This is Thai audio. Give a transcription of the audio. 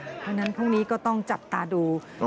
เพราะฉะนั้นพรุ่งนี้ก็ต้องจับตาดู